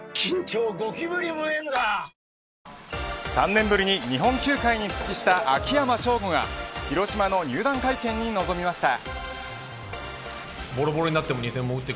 ３年ぶりに日本球界に復帰した秋山翔吾が広島の入団会見に臨みました。